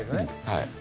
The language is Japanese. はい。